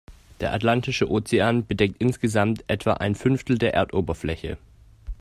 Der Atlantische Ozean bedeckt insgesamt etwa ein Fünftel der Erdoberfläche.